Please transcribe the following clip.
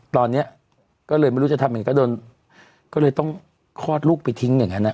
ตอนนี้ก็เลยไม่รู้จะทำยังไงก็โดนก็เลยต้องคลอดลูกไปทิ้งอย่างนั้นอ่ะ